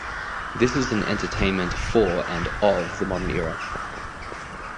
This is an entertainment for and of the modern era.